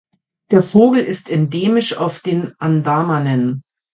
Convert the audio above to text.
Der Vogel ist endemisch auf den Andamanen.